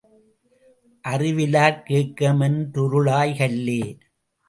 அறிவிலார்க் கேக்கமென் றுருளாய் கல்லே!